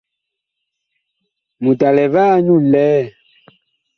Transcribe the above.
Mut a lɛ va nyu nlɛɛ?